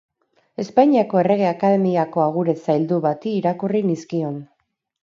Espainiako Errege Akademiako agure zaildu bati irakurri nizkion.